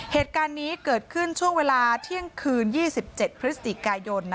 เหตุการณ์นี้เกิดขึ้นช่วงเวลาเที่ยงคืน๒๗พฤศจิกายน